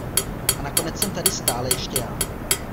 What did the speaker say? A nakonec jsem tady stále ještě já.